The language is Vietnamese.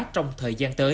trong thời gian tới